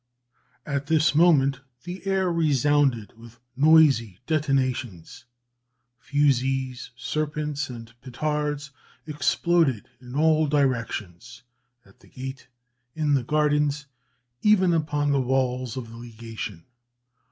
At this moment the air resounded with noisy detonations: fusees, serpents, and petards exploded in all directions at the gate, in the gardens, even upon the walls of the legation.